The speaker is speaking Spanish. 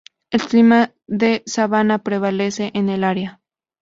El clima de sabana prevalece en el área.